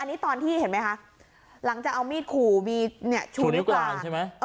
อันนี้ตอนที่เห็นไหมคะหลังจากเอามีดขู่มีชูนิ้วกลาง